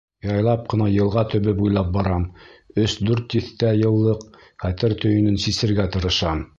Яйлап ҡына йылға төбө буйлап барам, өс-дүрт тиҫтә йыллыҡ хәтер төйөнөн сисергә тырышам.